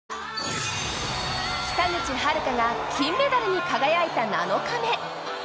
北口榛花が金メダルに輝いた７日目。